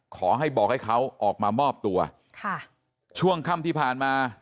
ขอให้บอกให้เขาออกมามอบตัวค่ะช่วงค่ำที่ผ่านมา